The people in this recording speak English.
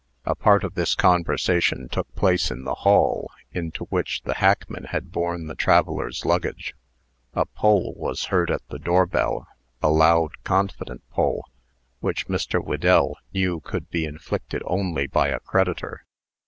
A part of this conversation took place in the hall, into which the hackman had borne the travellers' luggage. A pull was heard at the door bell a loud, confident pull which Mr. Whedell knew could be inflicted only by a creditor.